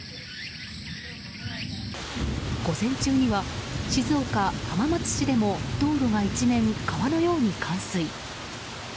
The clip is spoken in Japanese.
午前中には静岡・浜松市でも道路が一面川のように冠水。